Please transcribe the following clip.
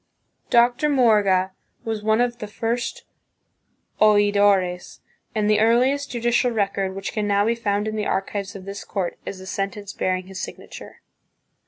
Dr. Morga was one of the first oidores, and the earliest judicial record which can now be found in the archives of this court is a sentence bearing his signature.